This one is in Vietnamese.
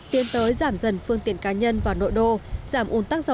tiến tới giảm dần phương tiện cá nhân và nội dung